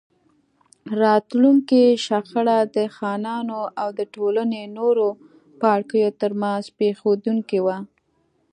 راتلونکې شخړه د خانانو او د ټولنې نورو پاړکیو ترمنځ پېښېدونکې وه.